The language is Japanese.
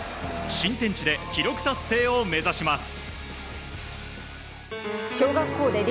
新天地で記録達成を目指します。